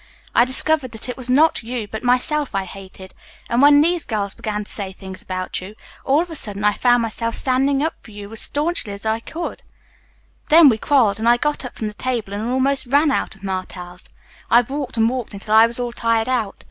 I discovered that it was not you but myself I hated, and when these girls began to say things about you, all of a sudden I found myself standing up for you as staunchly as ever I could. Then we quarreled and I got up from the table and almost ran out of Martell's. "I walked and walked until I was all tired out.